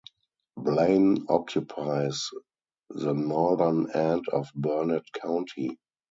Blaine occupies the northern end of Burnett County.